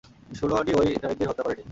সুনয়নী ওই নারীদের হত্যা করেনি।